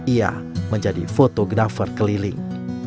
ia menjadi fotografer keliling